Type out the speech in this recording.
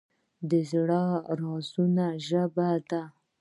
زړه د رازونو ژبه لري.